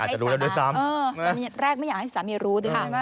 ตอนแรกอยากไม่อยากให้สามีด้วยซ้ำ